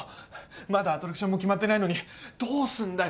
まだアトラクションも決まってないのにどうすんだよ？